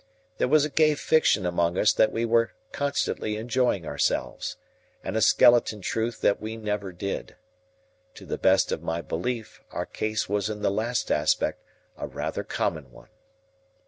There was a gay fiction among us that we were constantly enjoying ourselves, and a skeleton truth that we never did. To the best of my belief, our case was in the last aspect a rather common one.